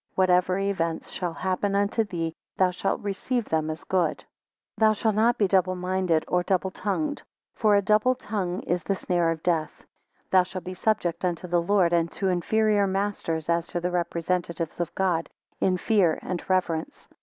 Whatever events shall happen unto thee, thou shalt receive them as good. 14 Thou shalt not be double minded or double tongued; for a double tongue is the snare of death. Thou shalt be subject unto the Lord and to inferior masters as to the representatives of God, in fear and reverence.